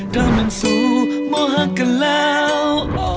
ด้านเมืองสูงมองหักกันแล้ว